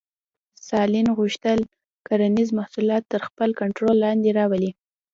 ستالین غوښتل کرنیز محصولات تر خپل کنټرول لاندې راولي.